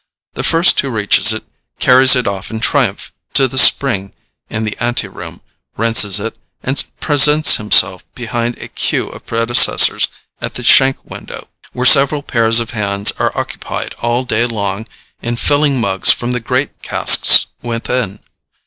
The first who reaches it carries it off in triumph to the spring in the anteroom, rinses it, and presents himself behind a queue of predecessors at the shank window, where several pairs of hands are occupied all day long in filling mugs from the great casks within.